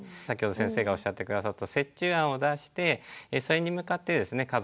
先ほど先生がおっしゃって下さった折衷案を出してそれに向かってですね